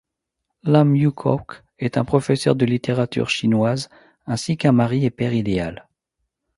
Lam Yiu-Kowk est un professeur de littérature chinoise ainsi qu'un mari et père idéal.